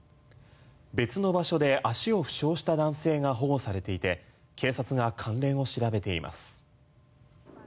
別の場所で足を負傷した男性が保護されていて警察が関連を調べています。